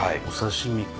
お刺し身。